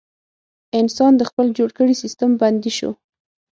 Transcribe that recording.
انسان د خپل جوړ کړي سیستم بندي شو.